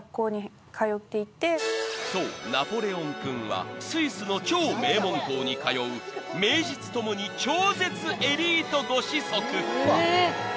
［そうナポレオン君はスイスの超名門校に通う名実共に超絶エリートご子息］